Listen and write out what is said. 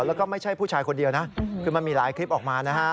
แล้วก็ไม่ใช่ผู้ชายคนเดียวนะคือมันมีหลายคลิปออกมานะฮะ